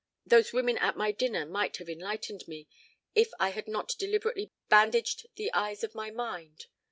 Those women at my dinner might have enlightened me if I had not deliberately bandaged the eyes of my mind.